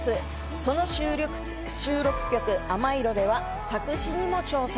その収録曲『天色』では、作詞にも挑戦。